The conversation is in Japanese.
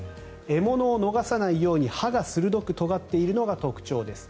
獲物を逃さないように歯が鋭くとがっているのが特徴です。